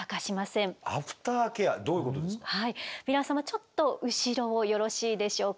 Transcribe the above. ちょっと後ろをよろしいでしょうか？